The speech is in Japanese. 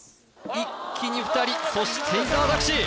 一気に２人そして伊沢拓司